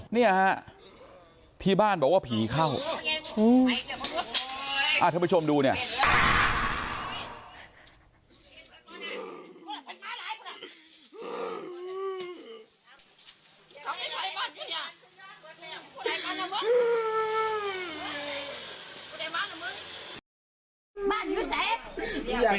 เนี่ยฮะที่บ้านบอกว่าผีเข้าท่านผู้ชมดูเนี่ย